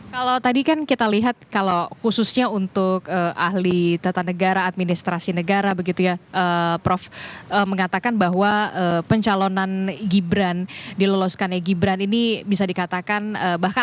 kalau tadi kan kita lihat kalau khususnya untuk ahli tata negara administrasi negara begitu ya prof mengatakan bahwa pencalonan gibran diloloskannya gibran ini bisa dikatakan bahkan